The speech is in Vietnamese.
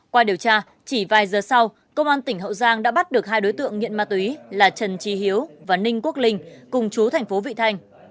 qua điều tra chỉ vài giờ sau công an tỉnh hậu giang đã bắt được hai đối tượng nghiện ma túy là trần trí hiếu và ninh quốc linh cùng chú thành phố vị thanh